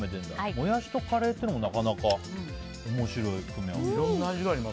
モヤシとカレーっていうのもなかなか面白い組み合わせ。